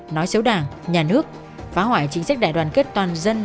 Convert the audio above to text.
nói xấu đảng nhà nước phá hoại chính sách đại đoàn kết toàn dân